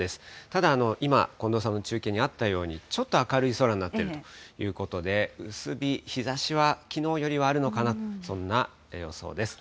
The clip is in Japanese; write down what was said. ただ、今、近藤さんの中継にあったように、ちょっと明るい空になっているということで、薄日、日ざしはきのうよりはあるのかな、そんな予想です。